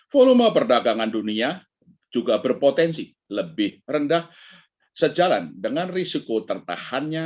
volume perdagangan dunia juga berpotensi lebih rendah sejalan dengan risiko tertahannya